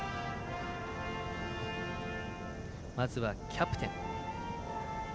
まずはキャプテン。